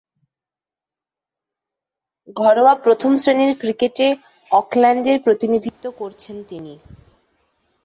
ঘরোয়া প্রথম-শ্রেণীর ক্রিকেটে অকল্যান্ডের প্রতিনিধিত্ব করছেন তিনি।